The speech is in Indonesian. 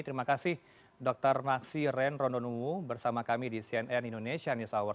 terima kasih dr maksi ren rondonuwu bersama kami di cnn indonesia news hour